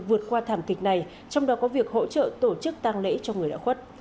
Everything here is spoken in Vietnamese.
vượt qua thảm kịch này trong đó có việc hỗ trợ tổ chức tăng lễ cho người đã khuất